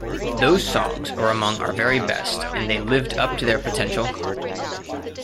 Those songs are among our very best and they lived up to their potential.